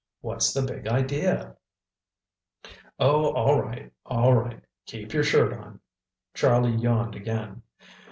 What's the big idea?" "Oh, all right, all right. Keep your shirt on!" Charlie yawned again.